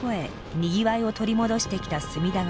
にぎわいを取り戻してきた隅田川。